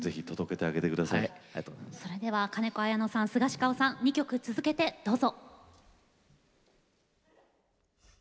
それではカネコアヤノさんスガシカオさん２曲続けてどうぞ。